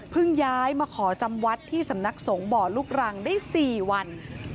ย้ายมาขอจำวัดที่สำนักสงฆ์บ่อลูกรังได้๔วัน